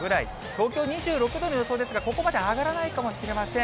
東京２６度の予想ですが、ここまで上がらないかもしれません。